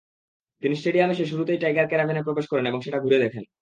তিনি স্টেডিয়ামে এসে শুরুতেই টাইগার ক্যারাভ্যানে প্রবেশ করেন এবং সেটা ঘুরে দেখেন।